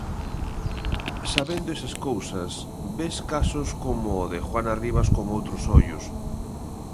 Sabendo esas cousas, ves casos como o de Juana Rivas con outros ollos.